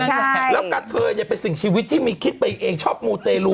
ใช่แล้วกะเทยเนี่ยเป็นสิ่งชีวิตที่มีคิดไปเองชอบมูเตรลู